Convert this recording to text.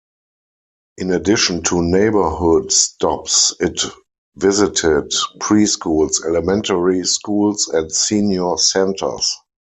In addition to neighborhood stops, it visited preschools, elementary schools and senior centers.